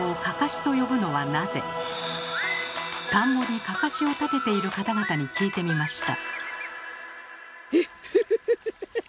田んぼにかかしを立てている方々に聞いてみました。